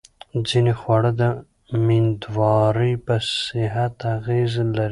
ځینې خواړه د مېندوارۍ په صحت اغېزه لري.